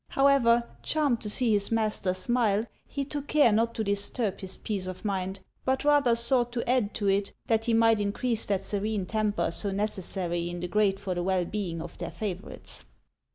However, charmed to see his master smile, he took care not to disturb his peace of mind, but rather sought to add to it, that he might increase that serene temper so necessary in the great for the well being of their favorites.